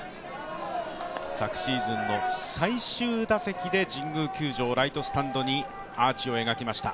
昨シーズンの最終打席で神宮球場、ライトスタンドにアーチを描きました。